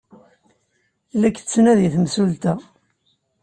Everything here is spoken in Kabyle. La k-tettnadi temsulta.